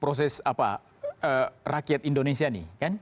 proses apa rakyat indonesia nih